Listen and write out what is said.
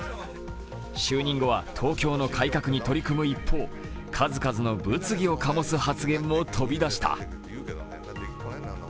就任後は東京の改革に取り組む一方数々の物議を醸す発言も飛び出した。